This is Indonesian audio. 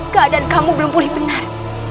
keadaan kamu belum pulih benar